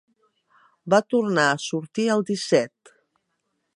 Va tornar a sortir el disset.